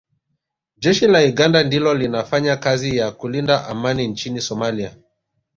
Jeshi la Uganda ndilo linafanya kazi ya kulinda Amani nchini Somalia